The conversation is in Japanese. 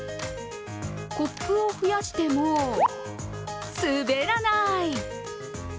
コップを増やしても滑らない。